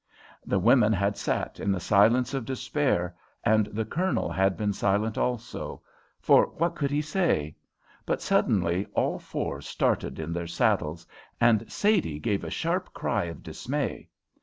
The women had sat in the silence of despair, and the Colonel had been silent also for what could he say? but suddenly all four started in their saddles, and Sadie gave a sharp cry of dismay.